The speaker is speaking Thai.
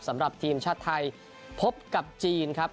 สำหรับทีมชาติไทยพบกับจีนครับ